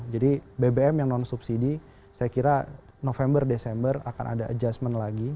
jadi bbm yang non subsidi saya kira november desember akan ada adjustment lagi